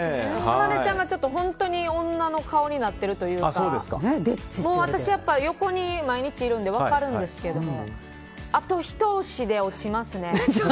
かなでちゃんが本当に女の顔になってるというか私、横に毎日いるので分かるんですけどあと、ひと押しで落ちますね。